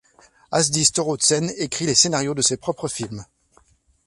Ásdís Thoroddsen écrit les scénarios de ses propres films.